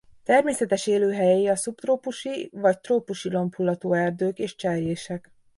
Természetes élőhelyei a szubtrópusi vagy trópusi lombhullató erdők és cserjések.